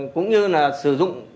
cũng như là sử dụng